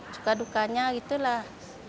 cuka dukanya gitu lah